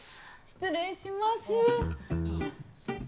失礼します。